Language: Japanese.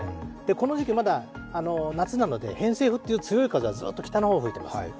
この時期、まだ夏なので偏西風っていう強い風がずっと北の方に吹いています。